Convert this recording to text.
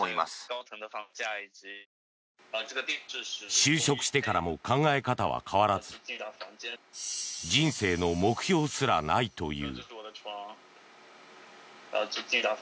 就職してからも考え方は変わらず人生の目標すらないという。